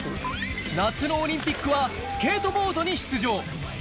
夏のオリンピックはスケートボードに出場